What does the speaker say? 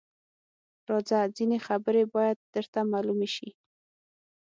_راځه! ځينې خبرې بايد درته مالومې شي.